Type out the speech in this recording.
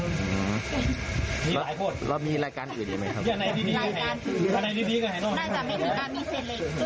บูรค่าความเสียหายเป็น๕แสนบาทได้อะค่ะ